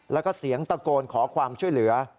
แล้วก็เสียงตะโกนขอความช่วยเหลือ